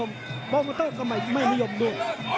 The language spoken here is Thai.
ต้องออกครับอาวุธต้องขยันด้วย